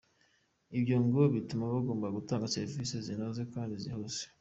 Ibyo ngo bituma bagomba kutanga serivise zinoze kandi zihuse.